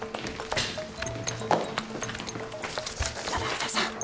柳田さん。